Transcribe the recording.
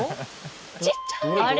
ちっちゃい！どれ！？